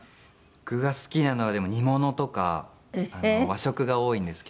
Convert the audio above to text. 僕が好きなのはでも煮物とか和食が多いんですけど。